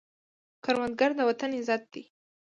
کروندګر د وطن عزت دی